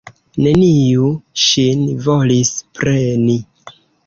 Neniu ŝin volis preni.